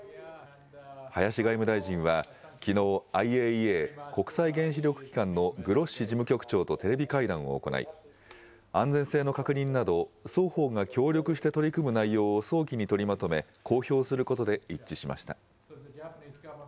林外務大臣はきのう、ＩＡＥＡ・国際原子力機関のグロッシ事務局長とテレビ会談を行い、安全性の確認など、双方が協力して取り組む内容を早期に取りまとめ、公表することで一致しました。